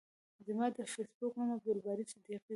زما د فیسبوک نوم عبدالباری صدیقی ده.